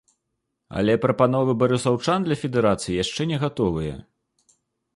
Але прапановы барысаўчан для федэрацыі яшчэ не гатовыя.